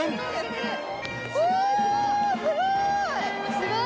すごい！